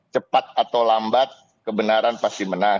cepat atau lambat kebenaran pasti menang